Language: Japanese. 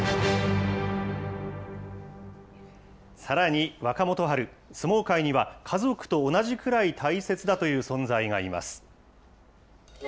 さらに、若元春、相撲界には家族と同じくらい大切だという存在がいます。